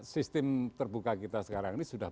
sistem terbuka kita sekarang ini sudah